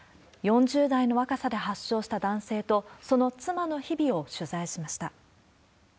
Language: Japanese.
４０代の若さで発症した男性と、その妻の日々を取材しました。